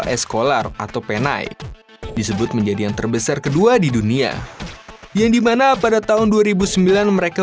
es kolar atau penai disebut menjadi yang terbesar kedua di dunia yang dimana pada tahun dua ribu sembilan mereka